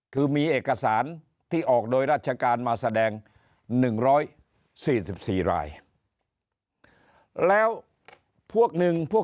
คือมีเอกสารที่ออกโดยราชการมาแสดง๑๔๔รายแล้วพวกหนึ่งพวก